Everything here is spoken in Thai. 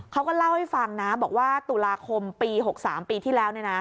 เขาก็เล่าให้ฟังนะบอกว่าตุลาคมปี๖๓ปีที่แล้ว